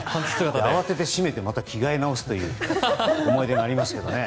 慌てて閉めてまた着替えなおすという思い出があります。